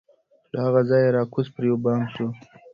له هغه ځایه را کوز پر یوه بام سو